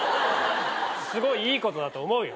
すごいいいことだと思うよ。